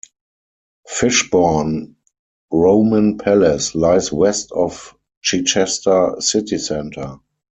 Fishbourne Roman Palace lies west of Chichester city centre.